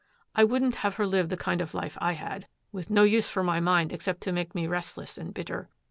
I wouldn't have her live the kind of life I had, with no use for my mind except to make me restless and bitter.